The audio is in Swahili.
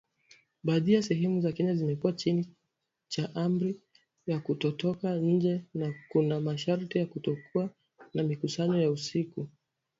Baadhi ya sehemu za Kenya zimekuwa chini ya amri ya kutotoka nje na kuna masharti ya kutokuwa na mikusanyiko ya usiku.